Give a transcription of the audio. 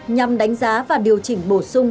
nhằm đánh giá và điều chỉnh bổ sung